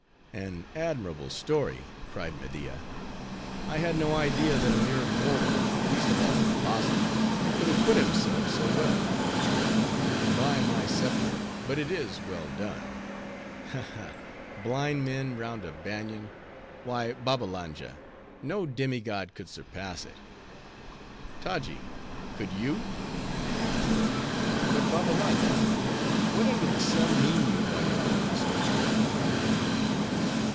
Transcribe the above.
'" "An admirable story," cried Media. "I had no idea that a mere mortal, least of all a philosopher, could acquit himself so well. By my scepter, but it is well done! Ha, ha! blind men round a banian! Why, Babbalanja, no demi god could surpass it. Taji, could you?" "But, Babbalanja, what under the sun, mean you by your blind story!" cried Mohi.